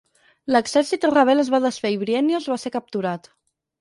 L'exèrcit rebel es va desfer i Bryennios va ser capturat.